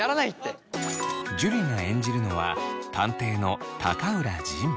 樹が演じるのは探偵の高浦仁。